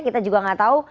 kita juga gak tahu